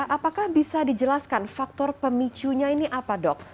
apakah bisa dijelaskan faktor pemicunya ini apa dok